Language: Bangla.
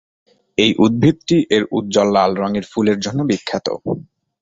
এই উদ্ভিদটি এর উজ্জ্বল লাল রঙের ফুলের জন্য বিখ্যাত।